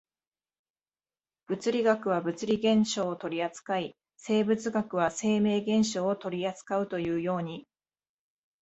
物理学は物理現象を取扱い、生物学は生命現象を取扱うというように、